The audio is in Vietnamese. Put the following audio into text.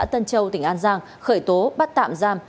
thị xã tân châu tỉnh an giang khởi tố bắt tạm giam